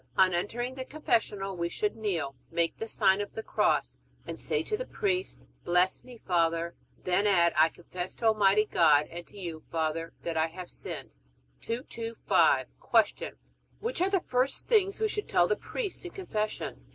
On entering the confessional we should kneel, make the sign of the Cross, and say to the priest, Bless me, Father; then add, I confess to Almighty God and to you, Father, that I have sinned. 225. Q. Which are the first things we should tell the priest in Confession?